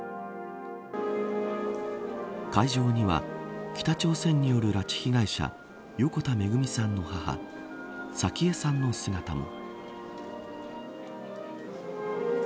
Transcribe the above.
会場には北朝鮮による拉致被害者横田めぐみさんの母早紀江さんの姿も。